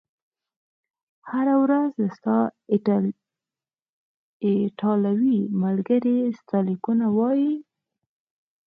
هره ورځ، ستا ایټالوي ملګري ستا لیکونه وایي؟